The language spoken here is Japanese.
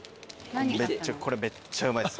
これめっちゃうまいです。